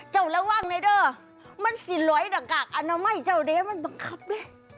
เจ้าระวังนะเด้อเมื่อสิ่งหน่อยหลักกากอนามัยเจ้าเด๊ะมันบังคับิ้ง